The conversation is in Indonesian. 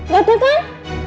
gak ada kan